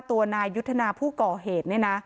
ตัวนายยุทธนาผู้ก่อเหตุ